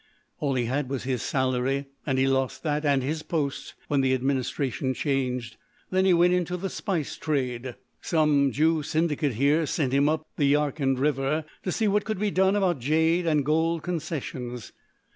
All he had was his salary, and he lost that and his post when the administration changed. Then he went into the spice trade. "Some Jew syndicate here sent him up the Yarkand River to see what could be done about jade and gold concessions.